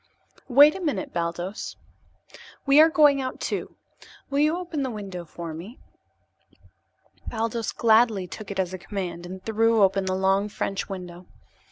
"Wait a minute, Baldos. We are going out, too. Will you open that window for me?" Baldos gladly took it as a command and threw open the long French window.